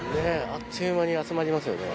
あっという間に集まりますよね。